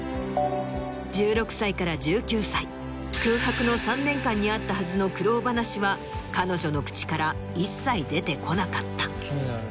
１６歳から１９歳空白の３年間にあったはずの苦労話は彼女の口から一切出てこなかった。